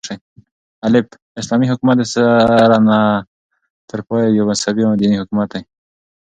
الف : اسلامي حكومت دسره نه تر پايه يو مذهبي او ديني حكومت دى